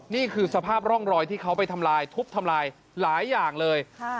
นี่คือสภาพร่องรอยที่เขาไปทำลายทุบทำลายหลายอย่างเลย